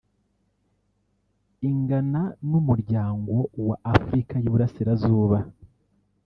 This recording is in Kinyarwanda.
Ingana n’Umuryango wa Afurika y’Iburasirazuba